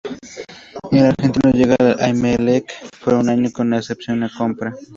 El argentino llega a Emelec por un año con opción a compra.